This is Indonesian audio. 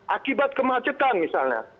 akibat kemacetan misalnya